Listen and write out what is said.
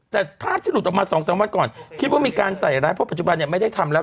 แต่ภาพที่หลุดออกมา๒๓วันก่อนคิดว่ามีการใส่ร้ายเพราะปัจจุบันเนี่ยไม่ได้ทำแล้ว